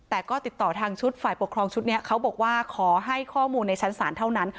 แต่ก็ติดต่อทางชุดฝ่ายปกครองชุดนี้เขาบอกว่าขอให้ข้อมูลในชั้นศาลเท่านั้น